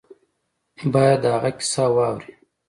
باید د هغه کیسه واوري.